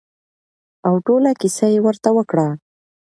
او ټوله کېسه يې ورته وکړه.